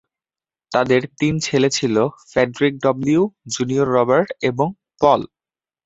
তাদের তিন ছেলে ছিল, ফ্রেডরিক ডব্লিউ., জুনিয়র রবার্ট এবং পল।